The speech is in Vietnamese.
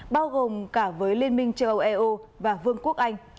bao gồm cả với liên minh châu âu eu và vương quốc anh